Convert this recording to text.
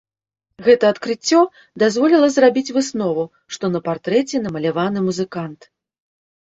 Гэта адкрыццё дазволіла зрабіць выснову, што на партрэце намаляваны музыкант.